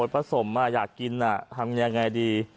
ผสมอยากกินทำยังไงดี